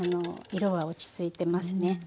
色は落ち着いてますね。